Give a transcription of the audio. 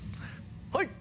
はい！